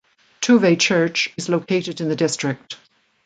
Tuve Church is located in the district.